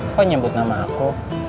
kok nyebut nama aku